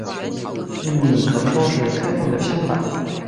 秘密可说是开放的相反。